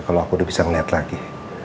kalau aku udah bisa melihat lagi